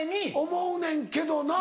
思うねんけどな。